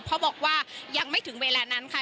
เขาบอกว่ายังไม่ถึงเวลานั้นค่ะ